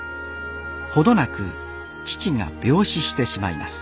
程なく父が病死してしまいます